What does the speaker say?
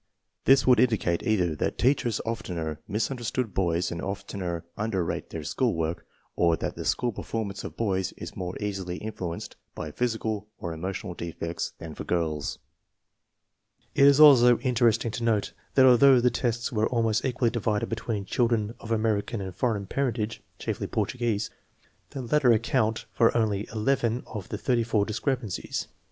This would indicate either that teachers oftener misunderstood boys and of tener under rate their school work, or that the school performance of boys is more easily influenced by physical or emo tional defects than that of girls. BIENTAIrAGE STANDARD FOR GRADING 107 It is also interesting to note that although the tests were almost equally divided between children of Ameri can and foreign parentage (chiefly Portuguese), the lat ter account for only 11 of the 34 discrepancies.